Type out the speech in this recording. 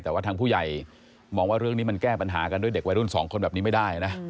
แต่ว่าทางผู้ใหญ่มองว่าเรื่องนี้มันแก้ปัญหากันด้วยเด็กวัยรุ่นสองคนแบบนี้ไม่ได้นะ